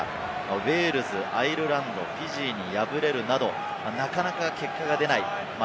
ウェールズ、アイルランド、フィジーに敗れるなど、なかなか結果が出ない。